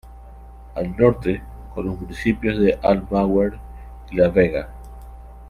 Al norte; con los municipios de Almaguer y La Vega.